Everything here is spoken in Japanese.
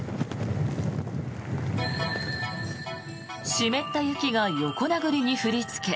湿った雪が横殴りに降りつけ